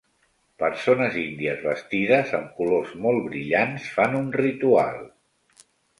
Persones índies vestides amb colors molt brillants fan un ritual.